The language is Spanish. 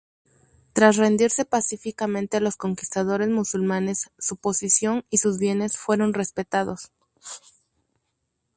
Tras rendirse pacíficamente a los conquistadores musulmanes, su posición y sus bienes fueron respetados.